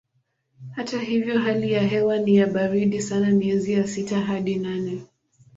Hata hivyo hali ya hewa ni ya baridi sana miezi ya sita hadi nane.